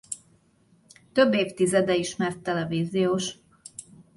Több évtizede ismert televíziós.